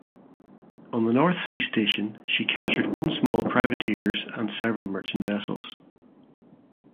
On the North Sea station she captured one small privateers and several merchant vessels.